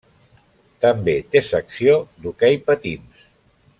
També té secció d'hoquei patins.